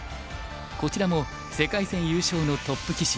こちらも世界戦優勝のトップ棋士。